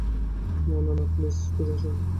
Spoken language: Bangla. না, না, না, প্লিজ ফিরে আসুন।